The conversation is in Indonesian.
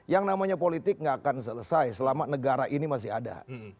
yang namanya politik nggak akan selesai selama negara ini masih ada